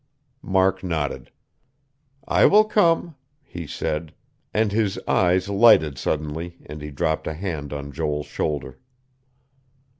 Mark nodded. "I will come," he said; and his eyes lighted suddenly, and he dropped a hand on Joel's shoulder.